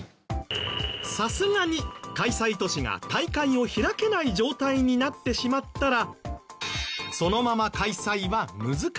さすがに開催都市が大会を開けない状態になってしまったらそのまま開催は難しい。